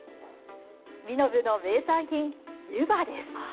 身延の名産品、湯葉です。